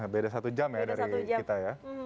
beda satu jam ya dari kita ya